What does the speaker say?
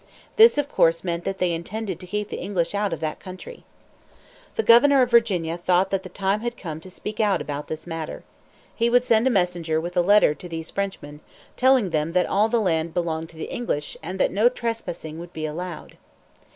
This of course meant that they intended to keep the English out of that country. The governor of Virginia thought that the time had come to speak out about this matter. He would send a messenger with a letter to these Frenchmen, telling them that all the land belonged to the English, and that no trespassing would be allowed.